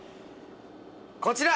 こちら！